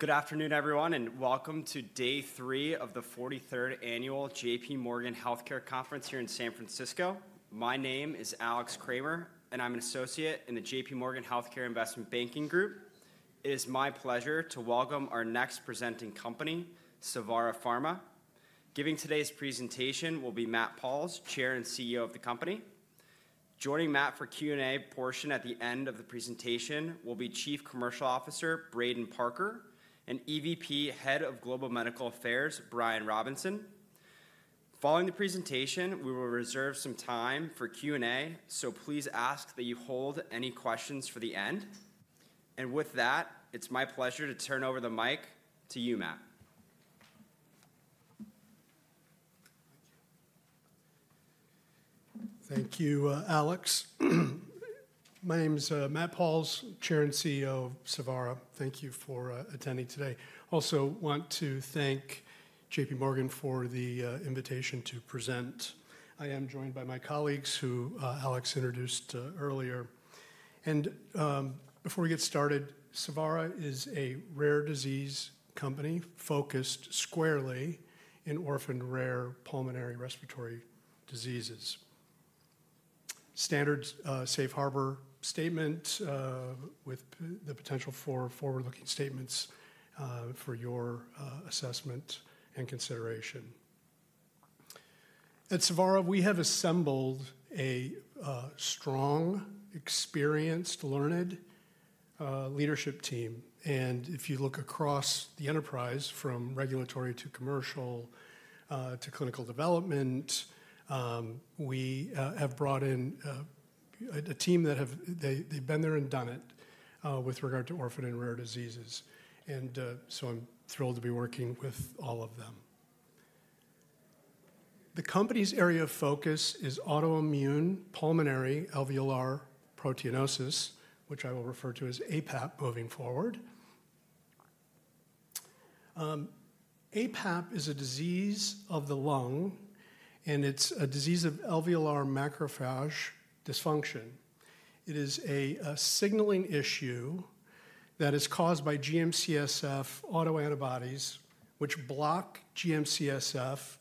Good afternoon, everyone, and welcome to Day 3 of the 43rd Annual JPMorgan Healthcare Conference here in San Francisco. My name is Alex Kramer, and I'm an Associate in the JPMorgan Healthcare Investment Banking Group. It is my pleasure to welcome our next presenting company, Savara Inc. Giving today's presentation will be Matt Pauls, Chair and CEO of the company. Joining Matt for the Q&A portion at the end of the presentation will be Chief Commercial Officer Braden Parker and EVP, Head of Global Medical Affairs Brian Robinson. Following the presentation, we will reserve some time for Q&A, so please ask that you hold any questions for the end. And with that, it's my pleasure to turn over the mic to you, Matt. Thank you, Alex. My name is Matt Pauls, Chair and CEO of Savara. Thank you for attending today. I also want to thank JPMorgan for the invitation to present. I am joined by my colleagues who Alex introduced earlier. And before we get started, Savara is a rare disease company focused squarely in orphaned rare pulmonary respiratory diseases. Standard Safe Harbor statement with the potential for forward-looking statements for your assessment and consideration. At Savara, we have assembled a strong, experienced, learned leadership team. And if you look across the enterprise, from regulatory to commercial to clinical development, we have brought in a team that have been there and done it with regard to orphaned and rare diseases. And so I'm thrilled to be working with all of them. The company's area of focus is autoimmune pulmonary alveolar proteinosis, which I will refer to as aPAP moving forward. aPAP is a disease of the lung, and it's a disease of alveolar macrophage dysfunction. It is a signaling issue that is caused by GM-CSF autoantibodies, which block GM-CSF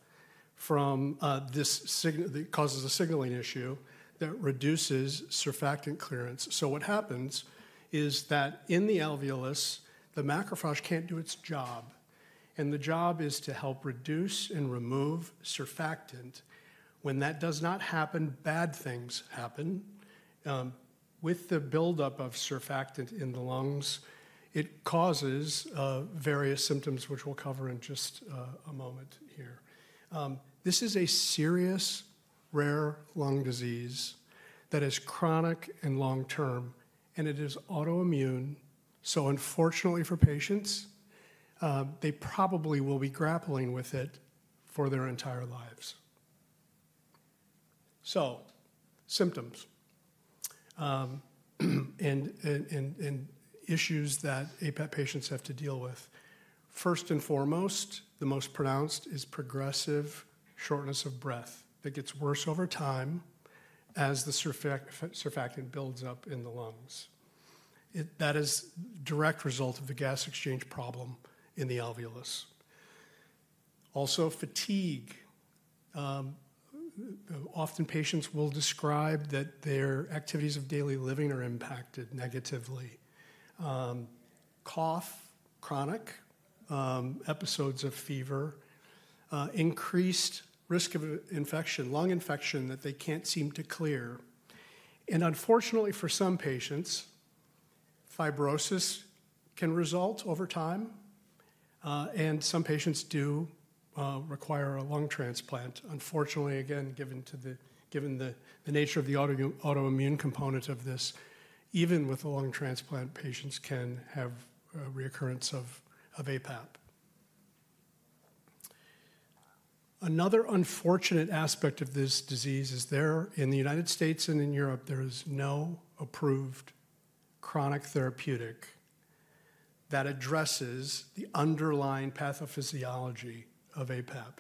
from this signaling that causes a signaling issue that reduces surfactant clearance. So what happens is that in the alveolus, the macrophage can't do its job. And the job is to help reduce and remove surfactant. When that does not happen, bad things happen. With the buildup of surfactant in the lungs, it causes various symptoms, which we'll cover in just a moment here. This is a serious rare lung disease that is chronic and long-term, and it is autoimmune. So unfortunately for patients, they probably will be grappling with it for their entire lives. So symptoms and issues that aPAP patients have to deal with. First and foremost, the most pronounced is progressive shortness of breath that gets worse over time as the surfactant builds up in the lungs. That is a direct result of the gas exchange problem in the alveolus. Also, fatigue. Often patients will describe that their activities of daily living are impacted negatively. Cough, chronic. Episodes of fever. Increased risk of infection, lung infection that they can't seem to clear, and unfortunately for some patients, fibrosis can result over time, and some patients do require a lung transplant. Unfortunately, again, given the nature of the autoimmune component of this, even with a lung transplant, patients can have a recurrence of aPAP. Another unfortunate aspect of this disease is, there in the United States and in Europe, there is no approved chronic therapeutic that addresses the underlying pathophysiology of aPAP.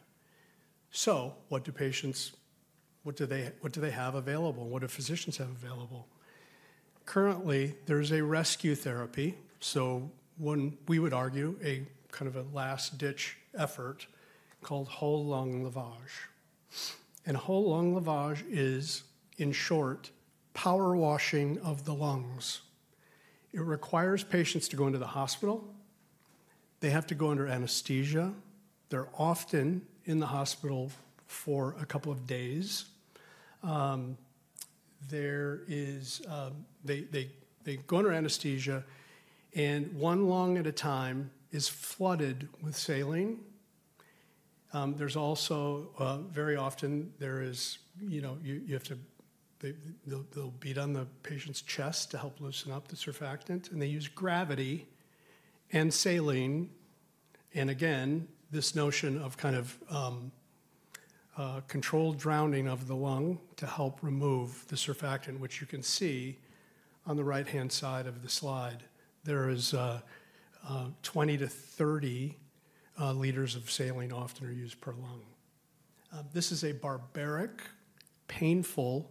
So what do patients have available? What do physicians have available? Currently, there is a rescue therapy, so we would argue a kind of a last-ditch effort called whole lung lavage. Whole lung lavage is, in short, power washing of the lungs. It requires patients to go into the hospital. They have to go under anesthesia. They're often in the hospital for a couple of days. They go under anesthesia, and one lung at a time is flooded with saline. There's also very often they have to beat on the patient's chest to help loosen up the surfactant. They use gravity and saline. Again, this notion of kind of controlled drowning of the lung to help remove the surfactant, which you can see on the right-hand side of the slide. There is 20-30 liters of saline often used per lung. This is a barbaric, painful,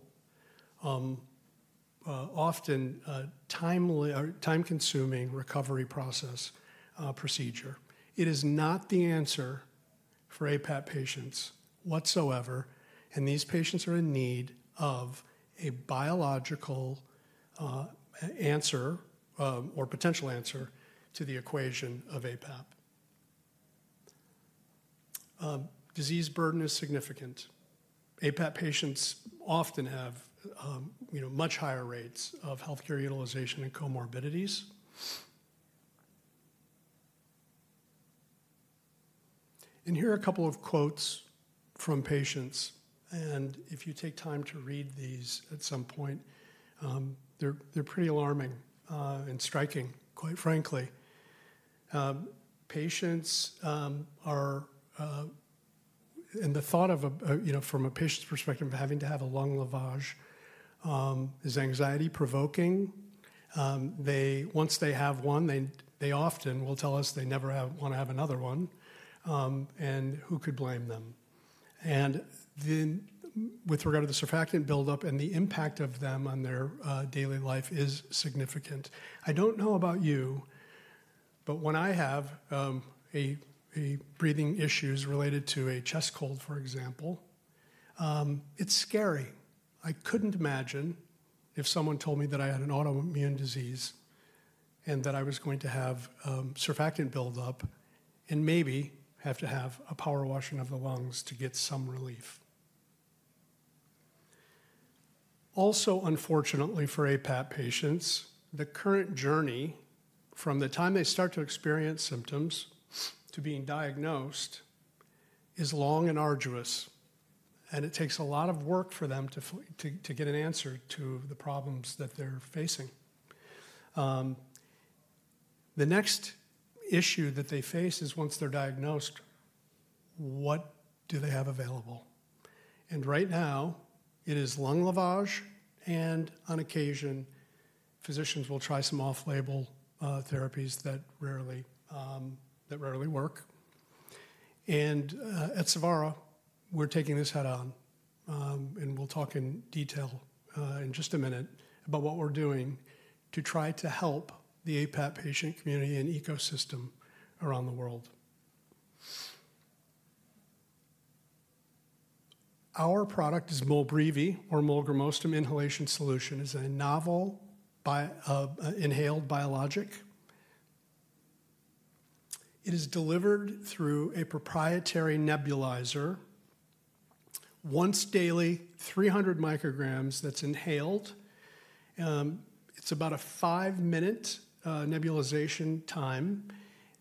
often time-consuming recovery process procedure. It is not the answer for aPAP patients whatsoever. And these patients are in need of a biological answer or potential answer to the equation of aPAP. Disease burden is significant. aPAP patients often have much higher rates of healthcare utilization and comorbidities. And here are a couple of quotes from patients. And if you take time to read these at some point, they're pretty alarming and striking, quite frankly. Patients are and the thought of from a patient's perspective of having to have a lung lavage is anxiety-provoking. Once they have one, they often will tell us they never want to have another one. And who could blame them? And with regard to the surfactant buildup and the impact of them on their daily life is significant. I don't know about you, but when I have breathing issues related to a chest cold, for example, it's scary. I couldn't imagine if someone told me that I had an autoimmune disease and that I was going to have surfactant buildup and maybe have to have a power washing of the lungs to get some relief. Also, unfortunately for aPAP patients, the current journey from the time they start to experience symptoms to being diagnosed is long and arduous. And it takes a lot of work for them to get an answer to the problems that they're facing. The next issue that they face is once they're diagnosed, what do they have available? And right now, it is lung lavage. And on occasion, physicians will try some off-label therapies that rarely work. And at Savara, we're taking this head-on. We'll talk in detail in just a minute about what we're doing to try to help the aPAP patient community and ecosystem around the world. Our product is MOLBREEVI, or molgramostim inhalation solution. It's a novel inhaled biologic. It is delivered through a proprietary nebulizer, once daily, 300 mcg that's inhaled. It's about a five-minute nebulization time.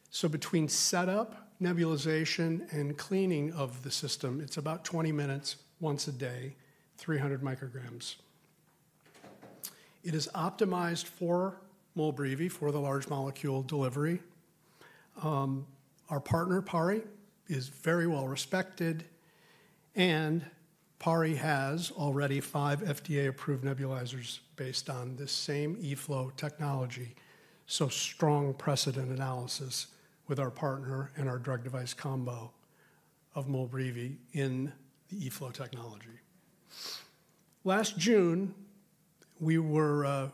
So between setup, nebulization, and cleaning of the system, it's about 20 minutes once a day, 300 mcg. It is optimized for MOLBREEVI, for the large molecule delivery. Our partner, PARI, is very well respected. And PARI has already five FDA-approved nebulizers based on the same eFlow technology. So strong precedent analysis with our partner and our drug device combo of MOLBREEVI in the eFlow technology. Last June, we were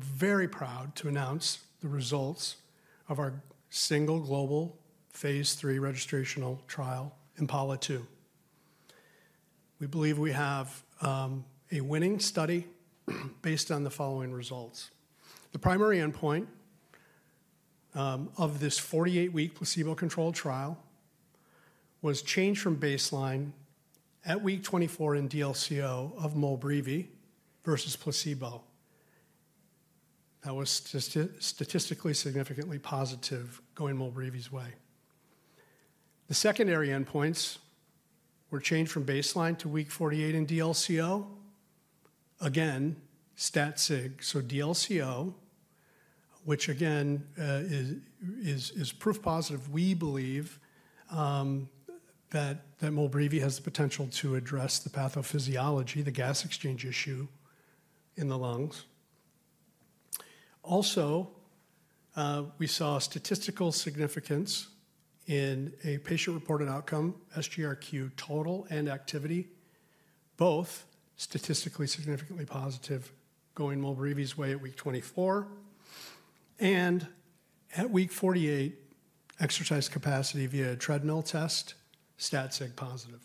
very proud to announce the results of our single global Phase III registrational trial in IMPALA-2. We believe we have a winning study based on the following results. The primary endpoint of this 48-week placebo-controlled trial was change from baseline at week 24 in DLCO of MOLBREEVI versus placebo. That was statistically significantly positive going MOLBREEVI's way. The secondary endpoints were changed from baseline to week 48 in DLCO. Again, stat sig, so DLCO, which again is proof positive, we believe that MOLBREEVI has the potential to address the pathophysiology, the gas exchange issue in the lungs. Also, we saw statistical significance in a patient-reported outcome, SGRQ total and activity, both statistically significantly positive going MOLBREEVI's way at week 24, and at week 48, exercise capacity via treadmill test, stat sig positive.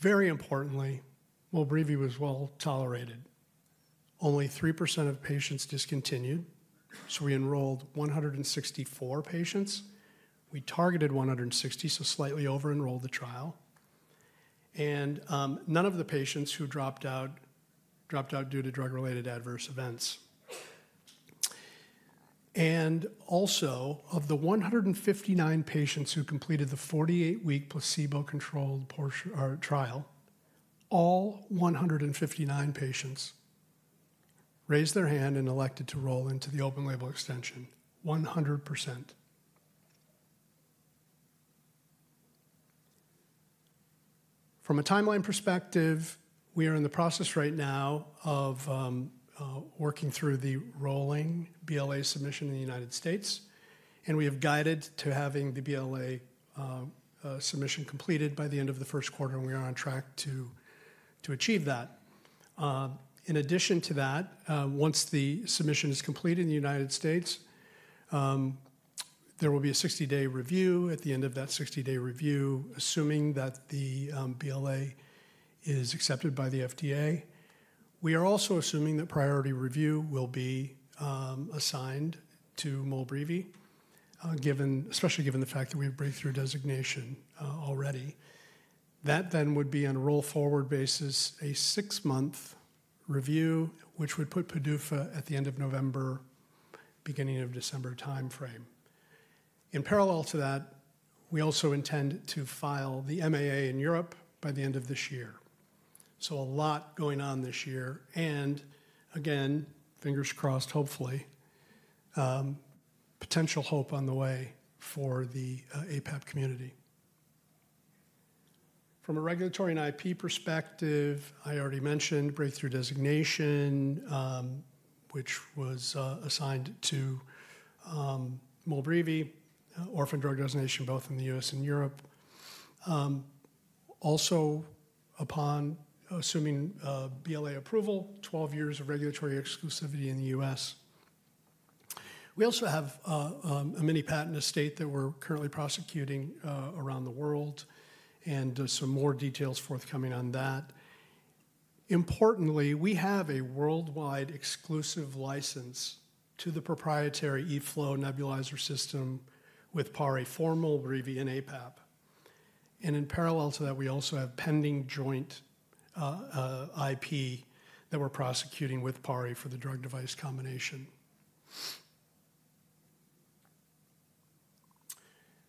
Very importantly, MOLBREEVI was well tolerated. Only 3% of patients discontinued. So we enrolled 164 patients. We targeted 160, so slightly over-enrolled the trial. None of the patients who dropped out due to drug-related adverse events. Also, of the 159 patients who completed the 48-week placebo-controlled trial, all 159 patients raised their hand and elected to roll into the open-label extension, 100%. From a timeline perspective, we are in the process right now of working through the rolling BLA submission in the United States. We have guided to having the BLA submission completed by the end of the first quarter. We are on track to achieve that. In addition to that, once the submission is completed in the United States, there will be a 60-day review. At the end of that 60-day review, assuming that the BLA is accepted by the FDA, we are also assuming that priority review will be assigned to MOLBREEVI, especially given the fact that we have breakthrough designation already. That then would be on a roll-forward basis, a six-month review, which would put PDUFA at the end of November, beginning of December timeframe. In parallel to that, we also intend to file the MAA in Europe by the end of this year. So a lot going on this year. And again, fingers crossed, hopefully, potential hope on the way for the aPAP community. From a regulatory and IP perspective, I already mentioned breakthrough designation, which was assigned to MOLBREEVI, orphan drug designation both in the U.S. and Europe. Also, upon assuming BLA approval, 12 years of regulatory exclusivity in the U.S. We also have a myriad patent estate that we're currently prosecuting around the world. And there's some more details forthcoming on that. Importantly, we have a worldwide exclusive license to the proprietary eFlow nebulizer system with PARI for MOLBREEVI and aPAP. In parallel to that, we also have pending joint IP that we're prosecuting with PARI for the drug device combination.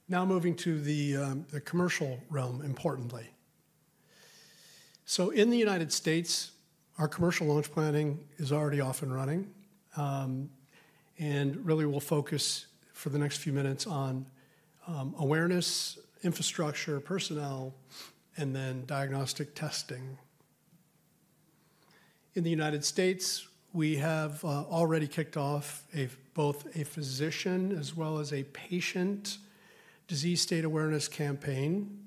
Now moving to the commercial realm, importantly. In the United States, our commercial launch planning is already off and running. Really, we'll focus for the next few minutes on awareness, infrastructure, personnel, and then diagnostic testing. In the United States, we have already kicked off both a physician as well as a patient disease state awareness campaign,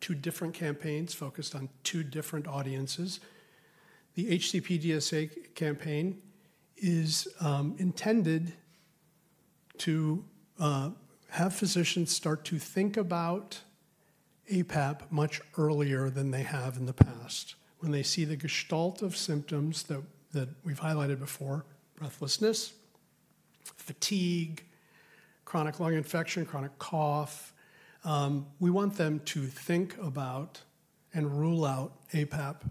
two different campaigns focused on two different audiences. The HCP DSA campaign is intended to have physicians start to think about aPAP much earlier than they have in the past. When they see the gestalt of symptoms that we've highlighted before, breathlessness, fatigue, chronic lung infection, chronic cough, we want them to think about and rule out aPAP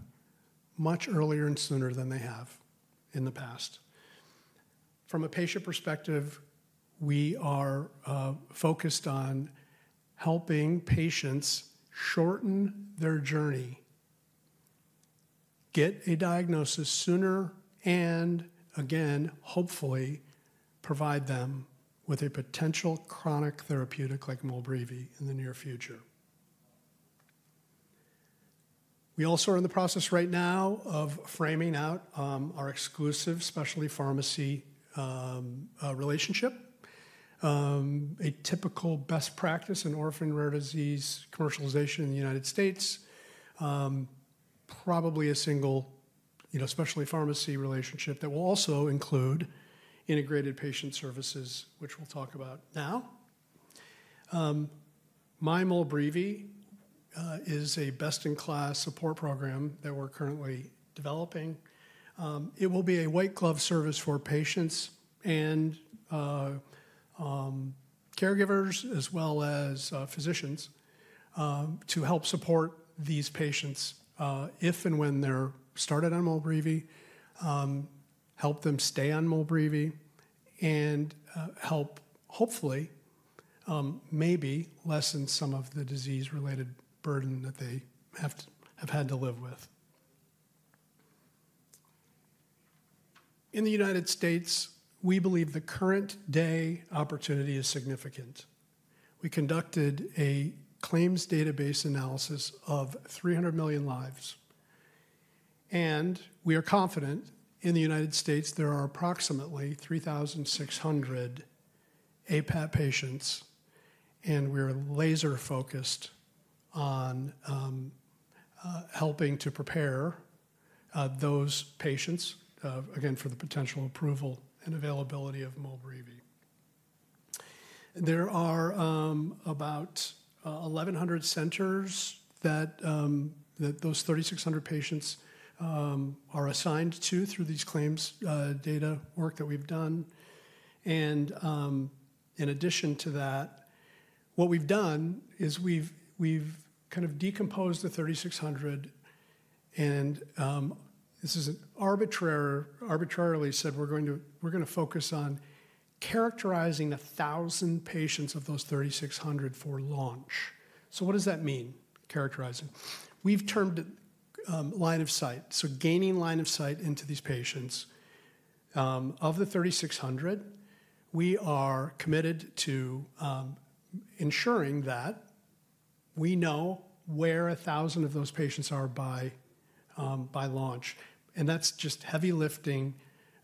much earlier and sooner than they have in the past. From a patient perspective, we are focused on helping patients shorten their journey, get a diagnosis sooner, and again, hopefully, provide them with a potential chronic therapeutic like MOLBREEVI in the near future. We also are in the process right now of framing out our exclusive specialty pharmacy relationship, a typical best practice in orphan rare disease commercialization in the United States, probably a single specialty pharmacy relationship that will also include integrated patient services, which we'll talk about now. My MOLBREEVI is a best-in-class support program that we're currently developing. It will be a white glove service for patients and caregivers as well as physicians to help support these patients if and when they're started on MOLBREEVI, help them stay on MOLBREEVI, and help hopefully, maybe lessen some of the disease-related burden that they have had to live with. In the United States, we believe the current day opportunity is significant. We conducted a claims database analysis of 300 million lives. We are confident in the United States, there are approximately 3,600 aPAP patients. We are laser-focused on helping to prepare those patients, again, for the potential approval and availability of MOLBREEVI. There are about 1,100 centers that those 3,600 patients are assigned to through these claims data work that we've done. In addition to that, what we've done is we've kind of decomposed the 3,600. This is an arbitrarily said, we're going to focus on characterizing 1,000 patients of those 3,600 for launch. What does that mean, characterizing? We've termed it line of sight. Gaining line of sight into these patients of the 3,600, we are committed to ensuring that we know where 1,000 of those patients are by launch. And that's just heavy lifting.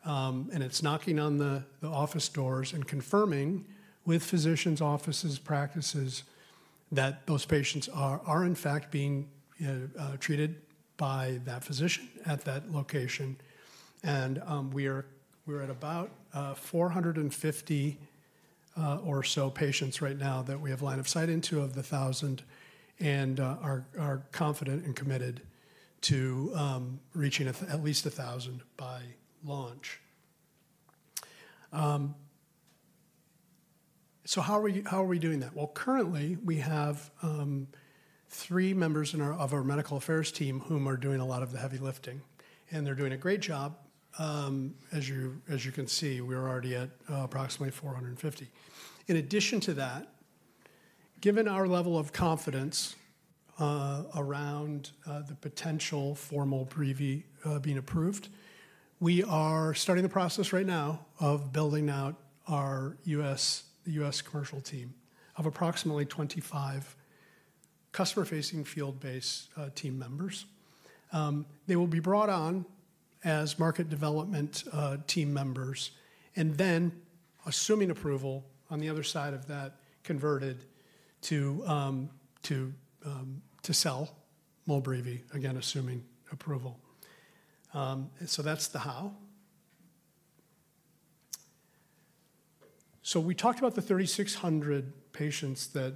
And it's knocking on the office doors and confirming with physicians, offices, practices that those patients are, in fact, being treated by that physician at that location. And we are at about 450 or so patients right now that we have line of sight into of the 1,000. And are confident and committed to reaching at least 1,000 by launch. So how are we doing that? Well, currently, we have three members of our medical affairs team who are doing a lot of the heavy lifting. And they're doing a great job. As you can see, we are already at approximately 450. In addition to that, given our level of confidence around the potential for MOLBREEVI being approved, we are starting the process right now of building out our U.S. commercial team of approximately 25 customer-facing field-based team members. They will be brought on as market development team members. And then, assuming approval on the other side of that, converted to sell MOLBREEVI, again, assuming approval. So that's the how. So we talked about the 3,600 patients that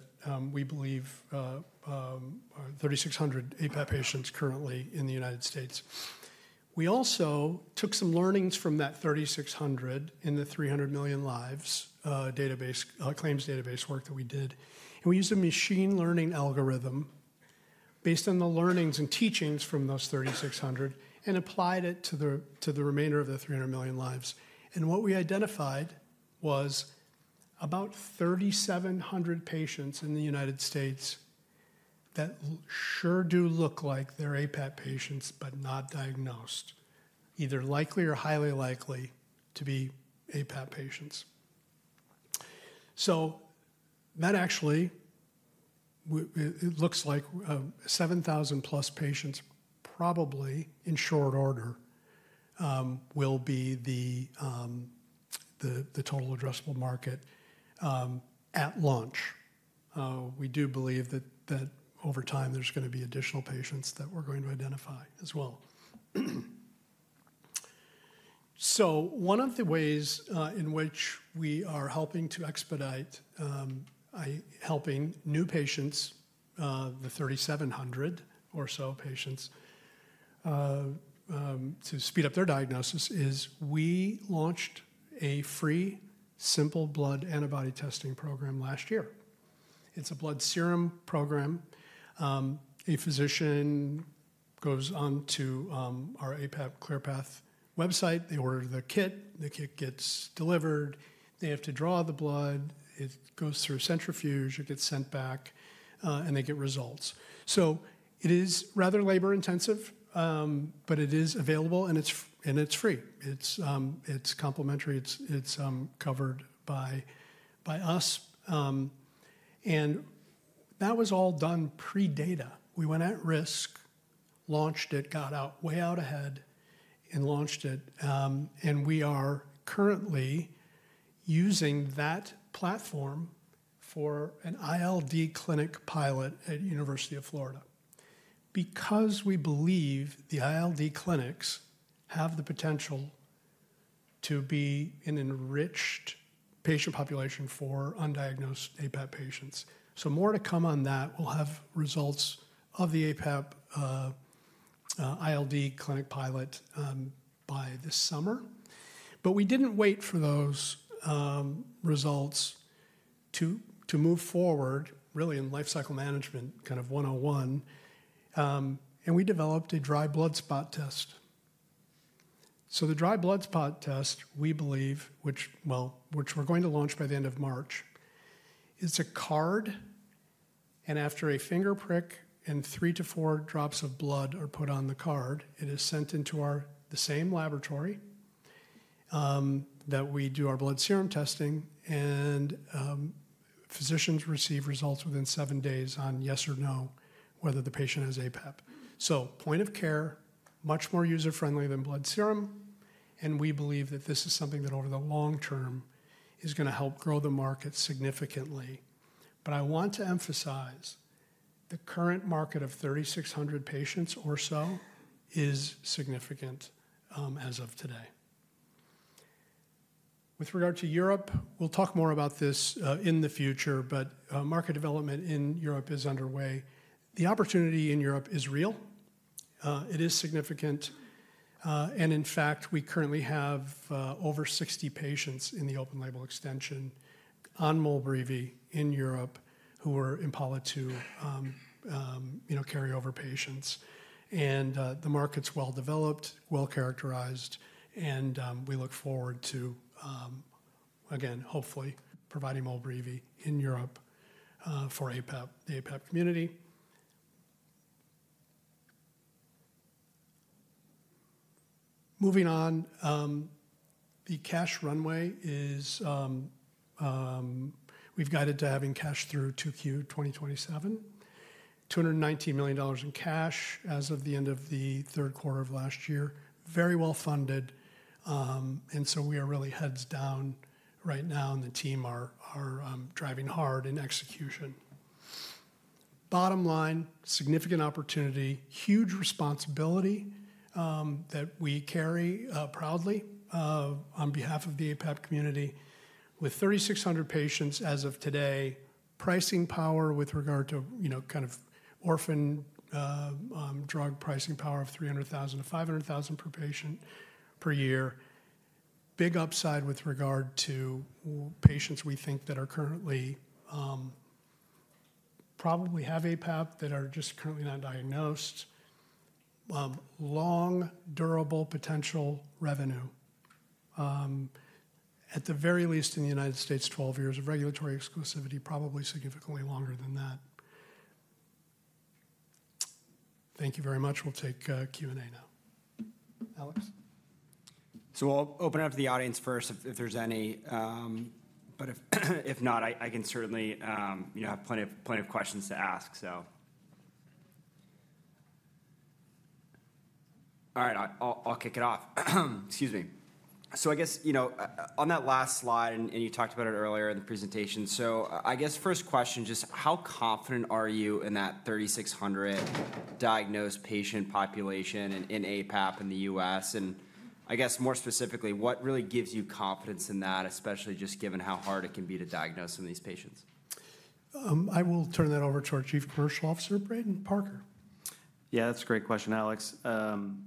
we believe, 3,600 aPAP patients currently in the United States. We also took some learnings from that 3,600 in the 300 million lives claims database work that we did. And we used a machine learning algorithm based on the learnings and teachings from those 3,600 and applied it to the remainder of the 300 million lives. And what we identified was about 3,700 patients in the United States that sure do look like they're aPAP patients, but not diagnosed, either likely or highly likely to be aPAP patients. So that actually looks like 7,000 plus patients probably in short order will be the total addressable market at launch. We do believe that over time, there's going to be additional patients that we're going to identify as well. So one of the ways in which we are helping to expedite helping new patients, the 3,700 or so patients, to speed up their diagnosis is we launched a free simple blood antibody testing program last year. It's a blood serum program. A physician goes on to our aPAP ClearPath website. They order the kit. The kit gets delivered. They have to draw the blood. It goes through centrifuge. It gets sent back, and they get results, so it is rather labor-intensive, but it is available, and it's free. It's complimentary. It's covered by us, and that was all done pre-data. We went at risk, launched it, got way out ahead, and launched it. And we are currently using that platform for an ILD Clinic Pilot at University of Florida because we believe the ILD clinics have the potential to be an enriched patient population for undiagnosed aPAP patients, so more to come on that. We'll have results of the aPAP ILD Clinic Pilot by this summer, but we didn't wait for those results to move forward, really, in life cycle management kind of 101, and we developed a dry blood spot test, so the dry blood spot test, we believe, which we're going to launch by the end of March, is a card. And after a finger prick and three to four drops of blood are put on the card, it is sent into the same laboratory that we do our blood serum testing, and physicians receive results within seven days on yes or no, whether the patient has aPAP. Point of care, much more user-friendly than blood serum. We believe that this is something that over the long term is going to help grow the market significantly. I want to emphasize the current market of 3,600 patients or so is significant as of today. With regard to Europe, we'll talk more about this in the future. Market development in Europe is underway. The opportunity in Europe is real. It is significant. In fact, we currently have over 60 patients in the open label extension on MOLBREEVI in Europe who are eligible carryover patients. The market is well developed, well characterized. We look forward to, again, hopefully, providing MOLBREEVI in Europe for the aPAP community. Moving on, the cash runway is we've guided to having cash through 2Q 2027, $219 million in cash as of the end of the third quarter of last year, very well funded, and so we are really heads down right now, and the team are driving hard in execution. Bottom line, significant opportunity, huge responsibility that we carry proudly on behalf of the aPAP community with 3,600 patients as of today, pricing power with regard to kind of orphan drug pricing power of $300,000-$500,000 per patient per year, big upside with regard to patients we think that are currently probably have aPAP that are just currently not diagnosed, long, durable potential revenue, at the very least in the United States, 12 years of regulatory exclusivity, probably significantly longer than that. Thank you very much. We'll take Q&A now. Alex? So I'll open it up to the audience first if there's any. But if not, I can certainly have plenty of questions to ask, so. All right. I'll kick it off. Excuse me. So I guess on that last slide, and you talked about it earlier in the presentation. So I guess first question, just how confident are you in that 3,600 diagnosed patient population in aPAP in the U.S.? And I guess more specifically, what really gives you confidence in that, especially just given how hard it can be to diagnose some of these patients? I will turn that over to our Chief Commercial Officer, Braden Parker. Yeah, that's a great question, Alex.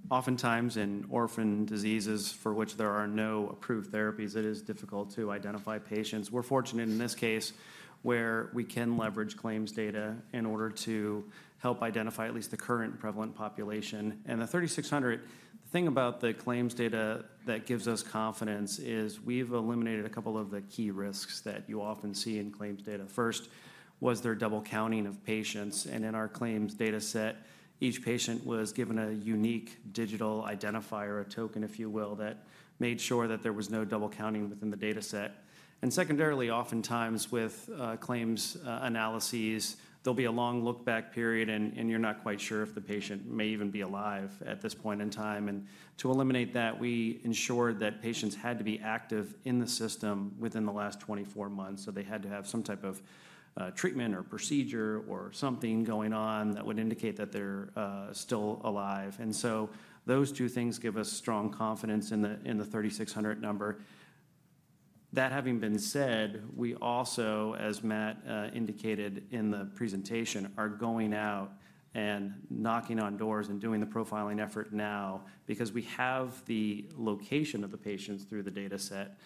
Oftentimes in orphan diseases for which there are no approved therapies, it is difficult to identify patients. We're fortunate in this case where we can leverage claims data in order to help identify at least the current prevalent population. And the 3,600, the thing about the claims data that gives us confidence is we've eliminated a couple of the key risks that you often see in claims data. First, was there double counting of patients? And in our claims data set, each patient was given a unique digital identifier, a token, if you will, that made sure that there was no double counting within the data set. And secondarily, oftentimes with claims analyses, there'll be a long lookback period. And you're not quite sure if the patient may even be alive at this point in time. And to eliminate that, we ensured that patients had to be active in the system within the last 24 months. So they had to have some type of treatment or procedure or something going on that would indicate that they're still alive. And so those two things give us strong confidence in the 3,600 number. That having been said, we also, as Matt indicated in the presentation, are going out and knocking on doors and doing the profiling effort now because we have the location of the patients through the data set.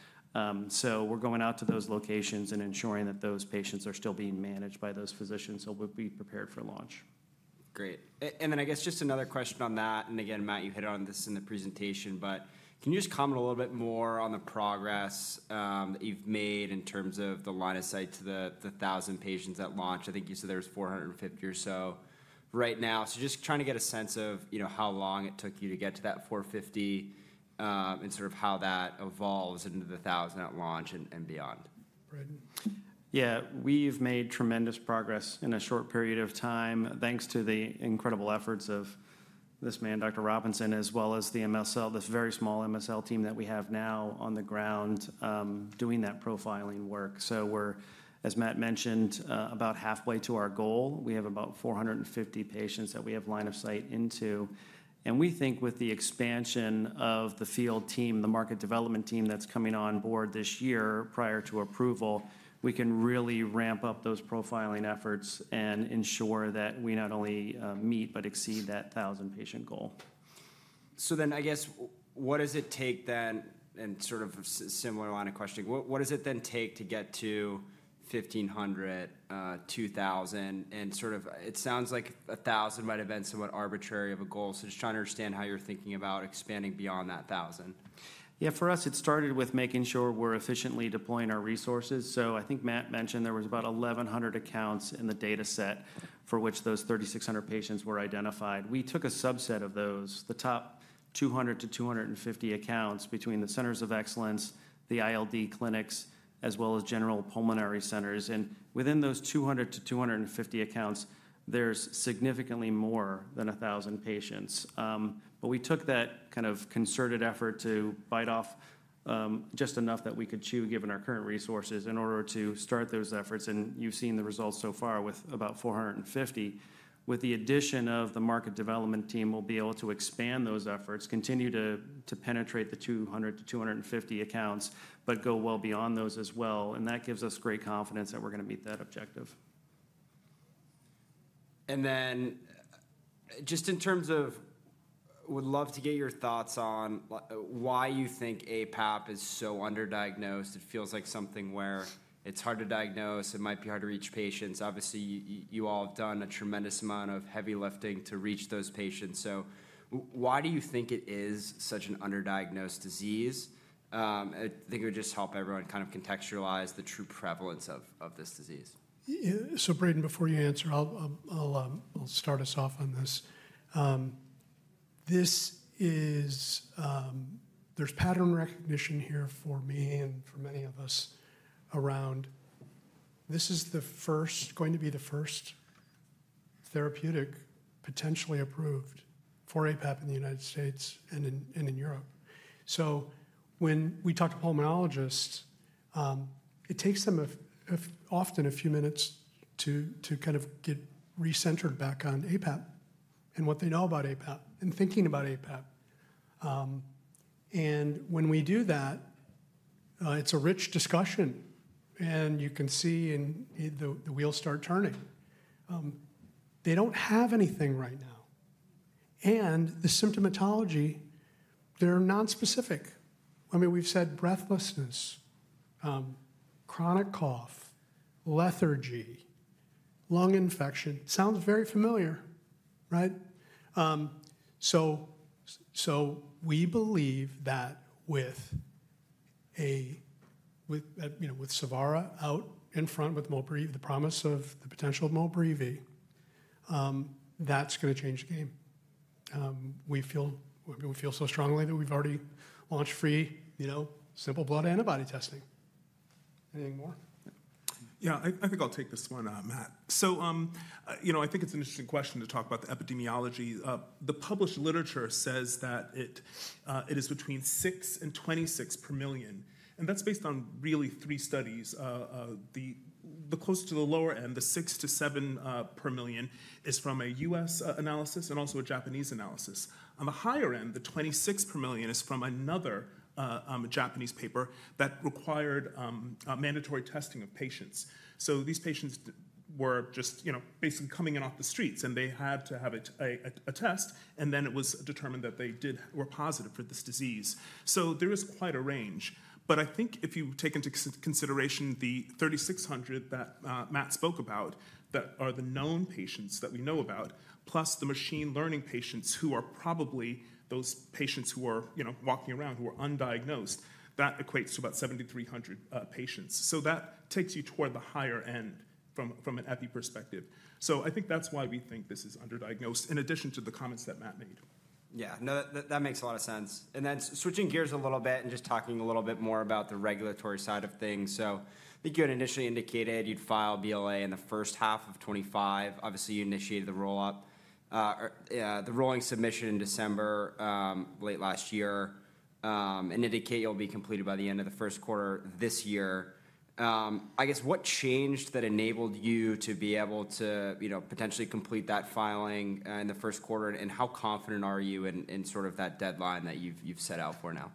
So we're going out to those locations and ensuring that those patients are still being managed by those physicians so we'll be prepared for launch. Great, and then I guess just another question on that, and again, Matt, you hit on this in the presentation, but can you just comment a little bit more on the progress that you've made in terms of the line of sight to the 1,000 patients at launch? I think you said there was 450 or so right now, so just trying to get a sense of how long it took you to get to that 450 and sort of how that evolves into the 1,000 at launch and beyond. Yeah, we've made tremendous progress in a short period of time thanks to the incredible efforts of this man, Dr. Robinson, as well as the MSL, this very small MSL team that we have now on the ground doing that profiling work. So we're, as Matt mentioned, about halfway to our goal. We have about 450 patients that we have line of sight into. And we think with the expansion of the field team, the market development team that's coming on board this year prior to approval, we can really ramp up those profiling efforts and ensure that we not only meet but exceed that 1,000 patient goal. So then I guess what does it take then? And sort of a similar line of questioning, what does it then take to get to 1,500, 2,000? And sort of it sounds like 1,000 might have been somewhat arbitrary of a goal. So just trying to understand how you're thinking about expanding beyond that 1,000. Yeah, for us, it started with making sure we're efficiently deploying our resources. So I think Matt mentioned there was about 1,100 accounts in the data set for which those 3,600 patients were identified. We took a subset of those, the top 200-250 accounts between the centers of excellence, the ILD clinics, as well as general pulmonary centers. And within those 200-250 accounts, there's significantly more than 1,000 patients. But we took that kind of concerted effort to bite off just enough that we could chew given our current resources in order to start those efforts. And you've seen the results so far with about 450. With the addition of the market development team, we'll be able to expand those efforts, continue to penetrate the 200-250 accounts, but go well beyond those as well. That gives us great confidence that we're going to meet that objective. And then just in terms of would love to get your thoughts on why you think aPAP is so underdiagnosed? It feels like something where it's hard to diagnose. It might be hard to reach patients. Obviously, you all have done a tremendous amount of heavy lifting to reach those patients. So why do you think it is such an underdiagnosed disease? I think it would just help everyone kind of contextualize the true prevalence of this disease. So Braden, before you answer, I'll start us off on this. There's pattern recognition here for me and for many of us around this is going to be the first therapeutic potentially approved for aPAP in the United States and in Europe. So when we talk to pulmonologists, it takes them often a few minutes to kind of get recentered back on aPAP and what they know about aPAP and thinking about aPAP. And when we do that, it's a rich discussion. And you can see the wheels start turning. They don't have anything right now. And the symptomatology, they're nonspecific. I mean, we've said breathlessness, chronic cough, lethargy, lung infection. Sounds very familiar, right? So we believe that with Savara out in front with MOLBREEVI, the promise of the potential of MOLBREEVI, that's going to change the game. We feel so strongly that we've already launched free simple blood antibody testing. Anything more? Yeah, I think I'll take this one, Matt. So I think it's an interesting question to talk about the epidemiology. The published literature says that it is between six and 26 per million, and that's based on really three studies. The closer to the lower end, the six-seven per million is from a U.S. analysis and also a Japanese analysis. On the higher end, the 26 per million is from another Japanese paper that required mandatory testing of patients. So these patients were just basically coming in off the streets. And they had to have a test. And then it was determined that they were positive for this disease. So there is quite a range. But I think if you take into consideration the 3,600 that Matt spoke about that are the known patients that we know about, plus the machine learning patients who are probably those patients who are walking around who are undiagnosed, that equates to about 7,300 patients. So that takes you toward the higher end from an epi perspective. So I think that's why we think this is underdiagnosed in addition to the comments that Matt made. Yeah, no, that makes a lot of sense. And then switching gears a little bit and just talking a little bit more about the regulatory side of things. So I think you had initially indicated you'd file BLA in the first half of 2025. Obviously, you initiated the rolling submission in December late last year and indicate you'll be completed by the end of the first quarter this year. I guess what changed that enabled you to be able to potentially complete that filing in the first quarter? And how confident are you in sort of that deadline that you've set out for now?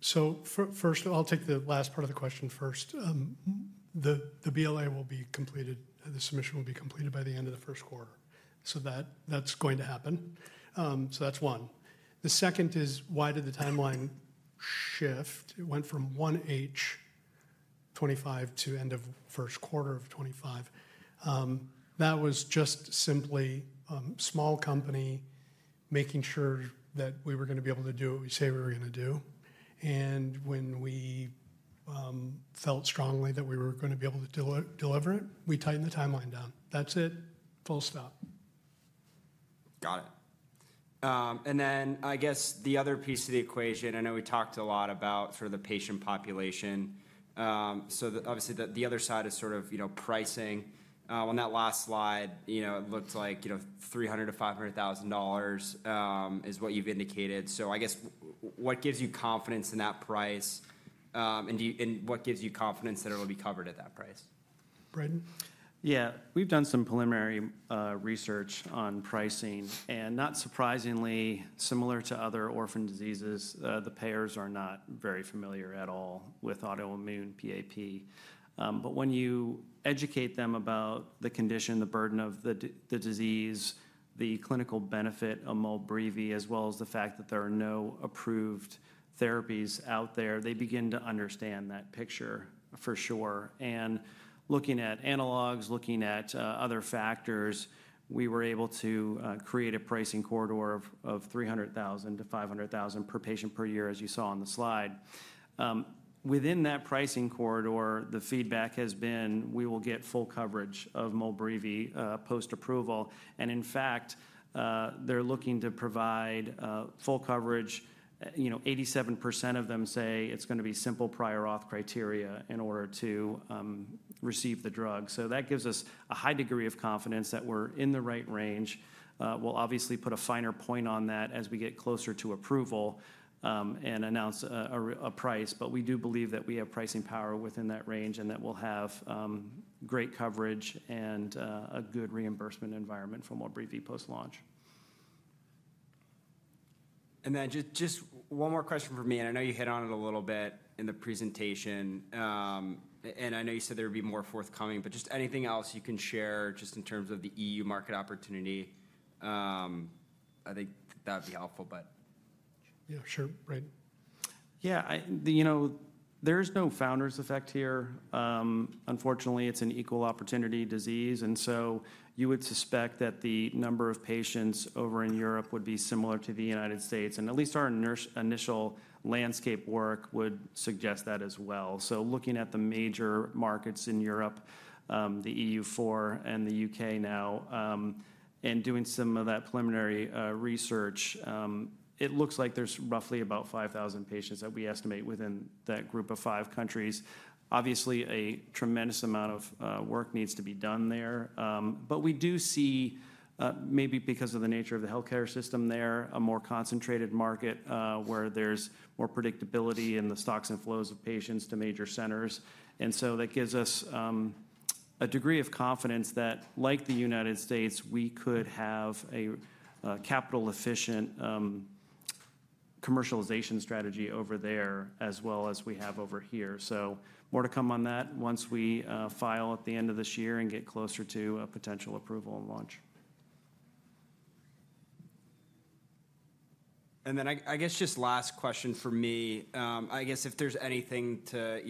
So first, I'll take the last part of the question first. The BLA will be completed. The submission will be completed by the end of the first quarter. So that's going to happen. So that's one. The second is why did the timeline shift? It went from 1H 2025 to end of first quarter of 2025. That was just simply small company making sure that we were going to be able to do what we say we were going to do. And when we felt strongly that we were going to be able to deliver it, we tightened the timeline down. That's it. Full stop. Got it. And then I guess the other piece of the equation, I know we talked a lot about sort of the patient population. So obviously, the other side is sort of pricing. On that last slide, it looked like $300,000-$500,000 is what you've indicated. So I guess what gives you confidence in that price? And what gives you confidence that it'll be covered at that price? Braden? Yeah, we've done some preliminary research on pricing. And not surprisingly, similar to other orphan diseases, the payers are not very familiar at all with autoimmune PAP. But when you educate them about the condition, the burden of the disease, the clinical benefit of MOLBREEVI, as well as the fact that there are no approved therapies out there, they begin to understand that picture for sure. And looking at analogs, looking at other factors, we were able to create a pricing corridor of $300,000-$500,000 per patient per year, as you saw on the slide. Within that pricing corridor, the feedback has been we will get full coverage of MOLBREEVI post-approval. And in fact, they're looking to provide full coverage. 87% of them say it's going to be simple prior auth criteria in order to receive the drug. So that gives us a high degree of confidence that we're in the right range. We'll obviously put a finer point on that as we get closer to approval and announce a price. But we do believe that we have pricing power within that range and that we'll have great coverage and a good reimbursement environment for MOLBREEVI post-launch. And then just one more question from me. And I know you hit on it a little bit in the presentation. And I know you said there would be more forthcoming. But just anything else you can share just in terms of the EU market opportunity? I think that'd be helpful, but. Yeah, sure. Braden? Yeah, there is no founder effect here. Unfortunately, it's an equal opportunity disease, and so you would suspect that the number of patients over in Europe would be similar to the United States. And at least our initial landscape work would suggest that as well, so looking at the major markets in Europe, the EU4 and the U.K. now, and doing some of that preliminary research, it looks like there's roughly about 5,000 patients that we estimate within that group of five countries. Obviously, a tremendous amount of work needs to be done there, but we do see, maybe because of the nature of the health care system there, a more concentrated market where there's more predictability in the stocks and flows of patients to major centers. And so that gives us a degree of confidence that, like the United States, we could have a capital-efficient commercialization strategy over there as well as we have over here. So more to come on that once we file at the end of this year and get closer to a potential approval and launch. And then I guess just last question for me. I guess if there's anything to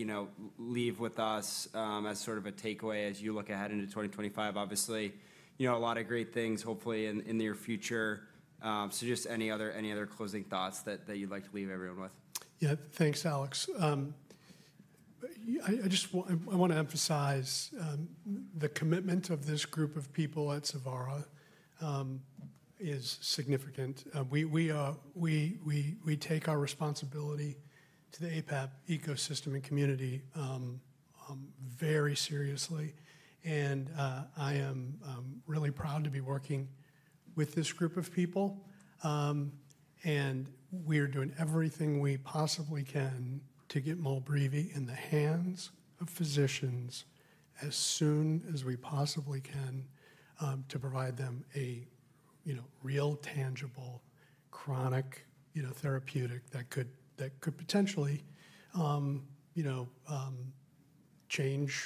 leave with us as sort of a takeaway as you look ahead into 2025, obviously, a lot of great things, hopefully, in the near future. So just any other closing thoughts that you'd like to leave everyone with? Yeah, thanks, Alex. I want to emphasize the commitment of this group of people at Savara is significant. We take our responsibility to the aPAP ecosystem and community very seriously, and I am really proud to be working with this group of people, and we are doing everything we possibly can to get MOLBREEVI in the hands of physicians as soon as we possibly can to provide them a real, tangible, chronic therapeutic that could potentially change.